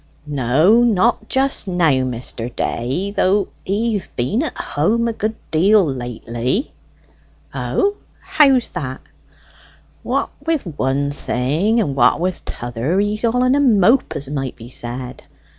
"No, not just now, Mr. Day. Though he've been at home a good deal lately." "O, how's that?" "What wi' one thing, and what wi' t'other, he's all in a mope, as might be said.